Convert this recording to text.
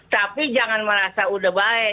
tapi jangan merasa udah baik